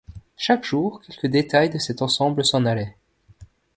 Chaque jour quelque détail de cet ensemble s’en allait.